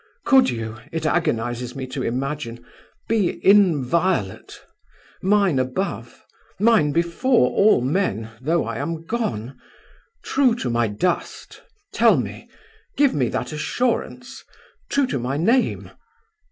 Could you it agonizes me to imagine ... be inviolate? mine above? mine before all men, though I am gone: true to my dust? Tell me. Give me that assurance. True to my name!